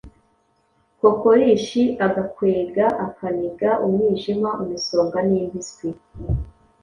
kokorishi, agakwega, akaniga, umwijima, umusonga n’impiswi.